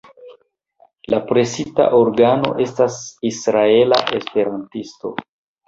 La presita organo estas "Israela Esperantisto".